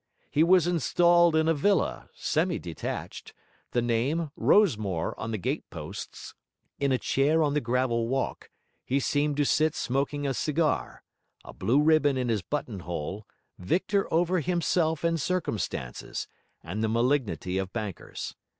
He was installed in a villa, semi detached; the name, Rosemore, on the gateposts. In a chair on the gravel walk, he seemed to sit smoking a cigar, a blue ribbon in his buttonhole, victor over himself and circumstances, and the malignity of bankers.